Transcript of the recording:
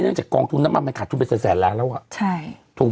จากกองทุนน้ำมันมันขาดทุนเป็นแสนล้านแล้วอ่ะใช่ถูก